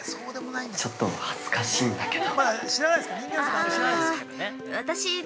ちょっと恥ずかしいんだけど。